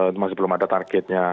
itu masih belum ada targetnya